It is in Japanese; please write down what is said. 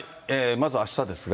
まずはあしたですが。